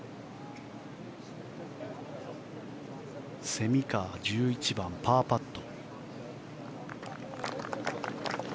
蝉川、１１番パーパット。